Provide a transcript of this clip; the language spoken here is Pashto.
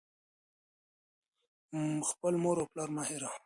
• خپل مور و پلار مه هېروه.